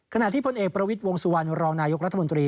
ขณะที่พลเอกประวิทย์วงสุวรรณรองนายกรัฐมนตรี